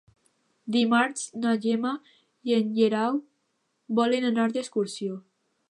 Dimarts na Gemma i en Guerau volen anar d'excursió.